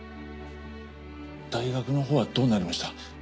大学のほうはどうなりました？